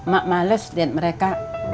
mak males liat mereka